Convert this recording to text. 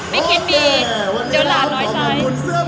ไม่คิดดีเดี๋ยวหลานน้อยใช้